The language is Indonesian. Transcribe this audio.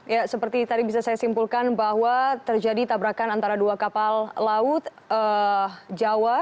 ya seperti tadi bisa saya simpulkan bahwa terjadi tabrakan antara dua kapal laut jawa